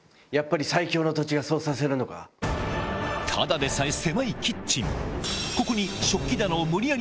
ただでさえ狭いキッチン